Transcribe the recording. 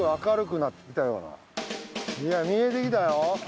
いや見えてきたよ